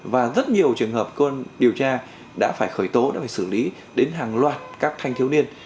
và rất nhiều trường hợp con điều tra đã phải khởi tố đã phải xử lý đến hàng loạt các thanh thiếu niên